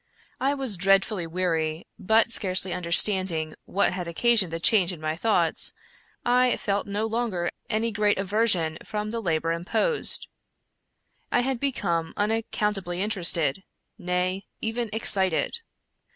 I was dreadfully weary, but, scarcely understanding what had occasioned the change in my thoughts, I felt no longer any great aversion from the labor imposed. I had become most unaccountably inter ested — nay, even excited.